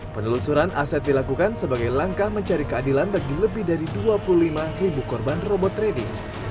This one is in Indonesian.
penelusuran aset dilakukan sebagai langkah mencari keadilan bagi lebih dari dua puluh lima ribu korban robot trading